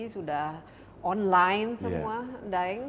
sudah online semua daeng